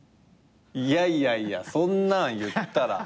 いやいやいやそんなん言ったら。